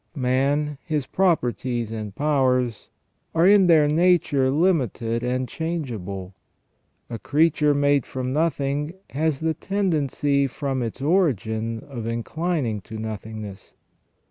Man, his properties and powers, are in their nature limited and changeable. A creature made from nothing has the tendency from its origin of inclining to nothingness.